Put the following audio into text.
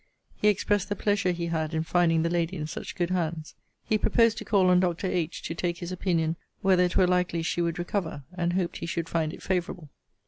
He expressed the pleasure he had in finding the lady in such good hands. He proposed to call on Dr. H. to take his opinion whether it were likely she would recover; and hoped he should find it favourable.